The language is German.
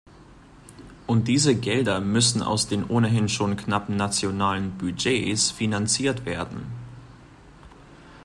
Und diese Gelder müssen aus den ohnehin schon knappen nationalen Budgets finanziert werden.